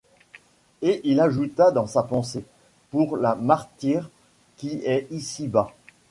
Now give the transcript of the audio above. Et il ajouta dans sa pensée: — Pour la martyre qui est ici-bas.